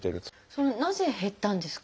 それはなぜ減ったんですか？